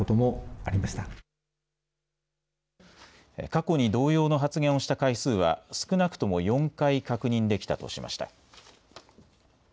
過去に同様の発言をした回数は少なくとも４回、確認できたとしました。